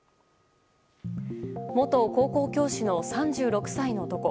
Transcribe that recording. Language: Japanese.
元高校教師の３６歳の男。